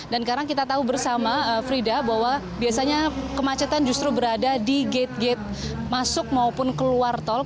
dan sekarang kita tahu bersama frida bahwa biasanya kemacetan justru berada di gate gate masuk maupun keluar tol